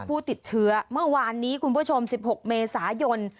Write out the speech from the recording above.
ผู้ติดเชื้อเมื่อวานนี้คุณผู้ชม๑๖เมษายน